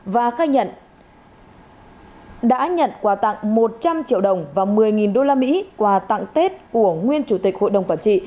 và khai nhận đã nhận quà tặng một trăm linh triệu đồng và một mươi usd quà tặng tết của nguyên chủ tịch hội đồng quản trị